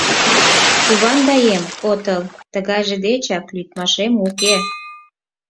Кувандаем отыл, тыгайже дечак лӱдмашем уке!